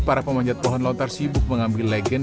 para pemanjat pohon lontar sibuk mengambil legen